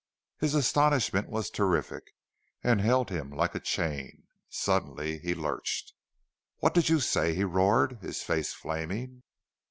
His astonishment was terrific and held him like a chain. Suddenly he lurched. "What did you say?" he roared, his face flaming.